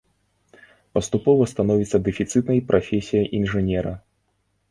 Паступова становіцца дэфіцытнай прафесія інжынера.